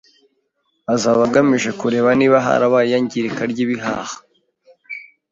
azaba agamije kureba niba harabaye iyangirika ry’ibihaha,